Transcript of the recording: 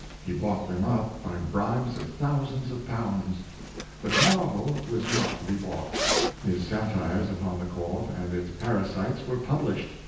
He bought them up by bribes of thousands of pounds. But Marvell was not to be bought. His satires upon the court and its parasites were published.